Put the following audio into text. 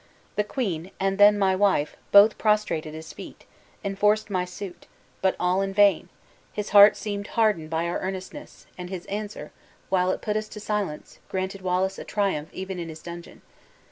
The queen, and then my wife, both prostrate at his feet, enforced my suit, but all in vain; his heart seemed hardened by our earnestness; and his answer, while it put us to silence, granted Wallace a triumph even in his dungeon.